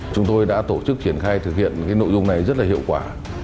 chúng tôi đã tổ chức triển khai thực hiện cái nội dung này rất là hiệu quả